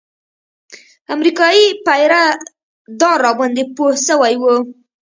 امريکايي پيره دار راباندې پوه سوى و.